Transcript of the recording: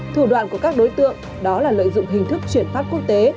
thủ đoạn của các đối tượng đó là lợi dụng hình thức chuyển phát quốc tế